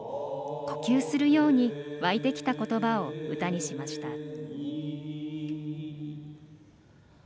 呼吸するように湧いてきた言葉を歌にしました。